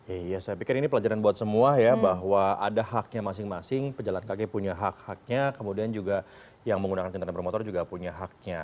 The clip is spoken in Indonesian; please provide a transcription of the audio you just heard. iya saya pikir ini pelajaran buat semua ya bahwa ada haknya masing masing pejalan kaki punya hak haknya kemudian juga yang menggunakan kendaraan bermotor juga punya haknya